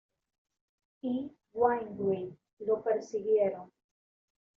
E. Wainwright, lo persiguieron.